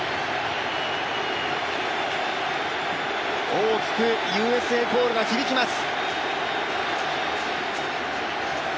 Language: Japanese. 大きくＵＳＡコールが響きます